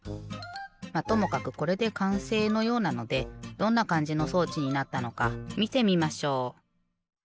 まっともかくこれでかんせいのようなのでどんなかんじの装置になったのかみてみましょう。